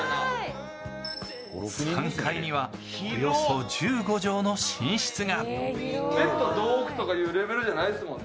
３階にはおよそ１５畳の寝室がそうですね